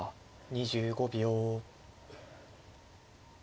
２５秒。